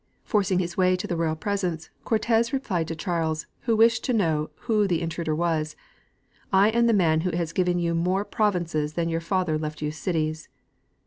Forcing his way to the royal presence, Cortez replied to Charles, who wished to know Avho the intruder was, '' I am the man who has given you more provinces than your father left you cities."